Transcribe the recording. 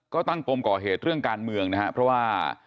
ก็ตั้งปมก่อเหตุเรื่องการเมืองนะครับเพราะว่า